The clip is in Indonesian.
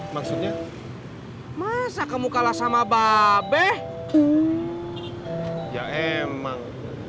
maksudnya masa kamu kalah sama babeku ya emang